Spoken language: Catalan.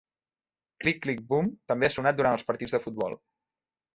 "Click Click Boom" també ha sonat durant els partits de futbol.